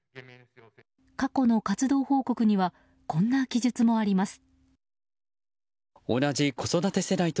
過去の活動報告にはこんな記述もあります。